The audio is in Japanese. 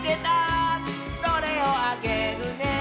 「それをあげるね」